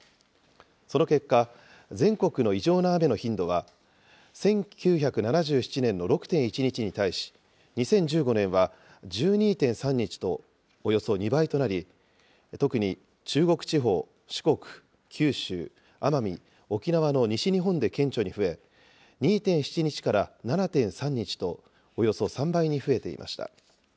その結果、全国の異常な雨の頻度は、１９７７年の６．１日に対し、２０１５年は１２．３日と、およそ２倍となり、特に中国地方、四国、九州、奄美、沖縄の西日本で顕著に増え、２．７日から７．３日と、およそ３倍に増えていました。